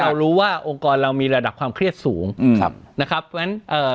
เรารู้ว่าองค์กรเรามีระดับความเครียดสูงอืมครับนะครับเพราะฉะนั้นเอ่อ